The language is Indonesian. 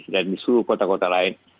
dan di seluruh kota kota lain